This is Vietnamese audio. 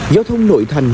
giao thông nội thành